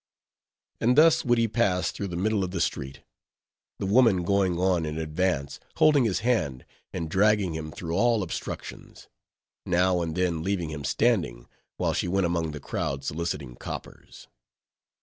And thus would he pass through the middle of the street; the woman going on in advance, holding his hand, and dragging him through all obstructions; now and then leaving him standing, while she went among the crowd soliciting coppers.